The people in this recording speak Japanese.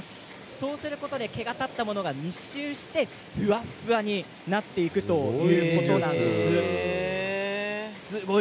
そうすることで毛が立ったものが密集してふわふわになっていくということなんです。